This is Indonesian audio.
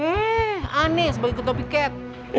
eh aneh sebagai ketua piket